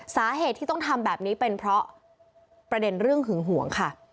สาเหตุที่ต้องทำแบบนี้เป็นเพราะประเด็นเรื่องหึงหวงค่ะ